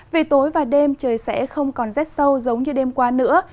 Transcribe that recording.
về tối và đêm trời sẽ không còn rét sâu giống như đêm qua nữa